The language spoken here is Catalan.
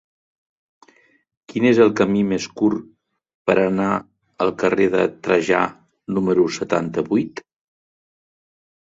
Quin és el camí més curt per anar al carrer de Trajà número setanta-vuit?